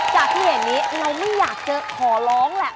จากที่เห็นนี้เราไม่อยากจะขอร้องแหละ